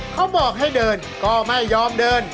เขาบอกให้เดินก็ไม่ยอมเดิน